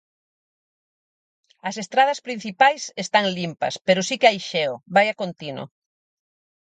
As estradas principais están limpas, pero si que hai xeo, vaia con tino.